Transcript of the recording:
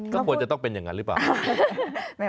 ก็ควรจะต้องเป็นอย่างนั้นหรือเปล่า